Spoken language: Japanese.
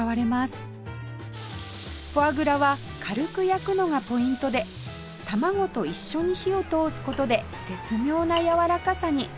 フォアグラは軽く焼くのがポイントで卵と一緒に火を通す事で絶妙なやわらかさに